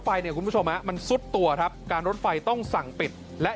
เนี่ยคุณผู้ชมฮะมันซุดตัวครับการรถไฟต้องสั่งปิดและ